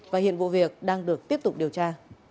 và hiện vụ việc đang được tiếp tục điều tra